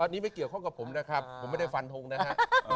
อันนี้ไม่เกี่ยวข้องกับผมนะครับผมไม่ได้ฟันทงนะฮะ